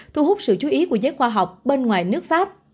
thu hút sự chú ý của giới khoa học bên ngoài nước pháp